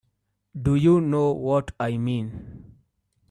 Do you know what I mean?